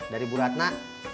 dari bu ratna